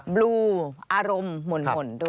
บลูอารมณ์หม่น